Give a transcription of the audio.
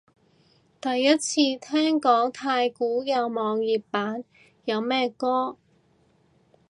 第一次聽講太鼓有網頁版，有咩歌？